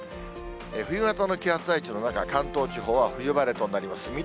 冬型の気圧配置の中、関東地方は冬晴れとなります。